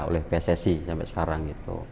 oleh pssi sampai sekarang